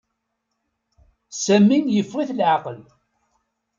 Sami yeffeɣ-it leɛqel.